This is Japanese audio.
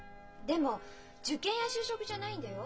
でも受験や就職じゃないんだよ。